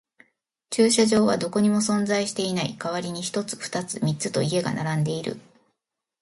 駐車場はどこにも存在していない。代わりに一つ、二つ、三つと家が並んでいる。